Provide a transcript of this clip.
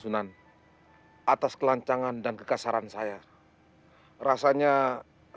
sunan atas kelancangan dan kekasaran saya saya akan mencari tempat untuk berbicara dengan mereka